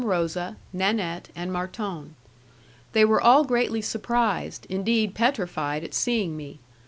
Rosa, Nanette, and Marton. They were all greatly surprised, indeed petrified at seeing me.